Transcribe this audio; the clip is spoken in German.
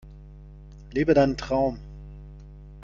Lebe deinen Traum!